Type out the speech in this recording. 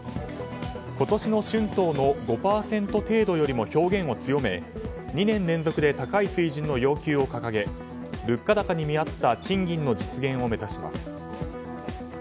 今年の春闘の５％程度よりも表現を強め２年連続で高い水準の要求を掲げ、物価高に見合った賃金の実現を目指します。